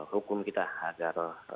hukum kita agar